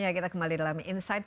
kita kembali dalam insight